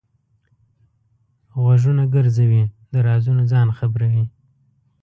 غوږونه ګرځوي؛ د رازونو ځان خبروي.